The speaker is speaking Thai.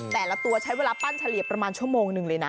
แต่ละตัวใช้เวลาปั้นเฉลี่ยประมาณชั่วโมงหนึ่งเลยนะ